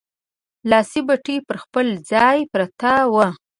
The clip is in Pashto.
لاسي بتۍ پر خپل ځای پرته وه.